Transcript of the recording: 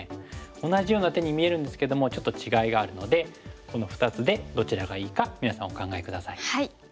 同じような手に見えるんですけどもちょっと違いがあるのでこの２つでどちらがいいか皆さんお考え下さい。